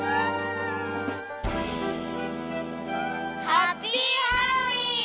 ハッピーハロウィーン！